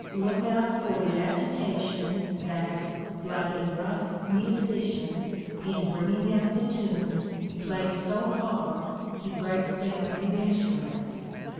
Look out for the agitation that, like a rough musician, in bringing out the tune, plays so hard he breaks down the instrument!